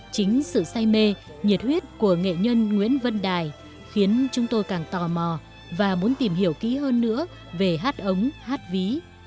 chính sự say mê nhiệt huyết của nghệ nhân nguyễn văn đài khiến chúng tôi càng tò mò và muốn tìm hiểu kỹ hơn nữa về hát ống hát ví